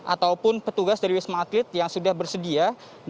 ataupun petugas dari wisma atlet yang sudah bersedia